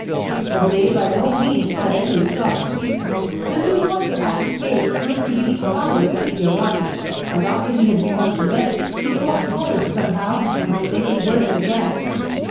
But they by no means suddenly stopped. Little Walter Ashe's case proved to be rather a severe one; and after he had begun to mend, he caught cold somehow and was taken worse again.